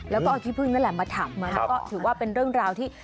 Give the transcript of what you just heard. แล้วก็เอาขี้พึ่งนั่นแหละมาทำนะคะก็ถือว่าเป็นเรื่องราวที่